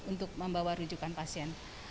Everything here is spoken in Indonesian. untuk membawa rujukan pasien